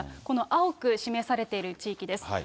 この青く示されている地域です。